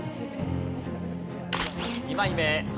２枚目。